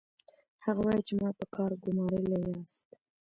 هغه وايي چې ما په کار ګومارلي یاست